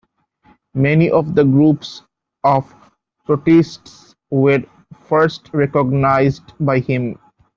Many of the groups of protists were first recognized by him.